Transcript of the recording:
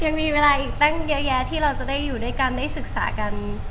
ยังมีเวลาอีกตั้งเยอะแยะที่เราจะได้อยู่ด้วยกันได้ศึกษากัน